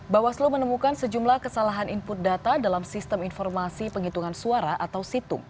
bawaslu menemukan sejumlah kesalahan input data dalam sistem informasi penghitungan suara atau situng